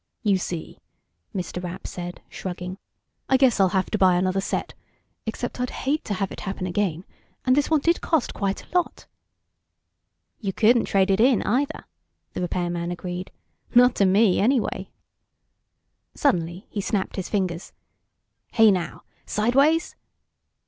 "You see," Mr. Rapp said, shrugging. "I guess I'll have to buy another set. Except I'd hate to have it happen again, and this one did cost quite a lot." "You couldn't trade it in, either," the repairman agreed. "Not to me, anyway." Suddenly he snapped his fingers. "Hey now. Sideways?"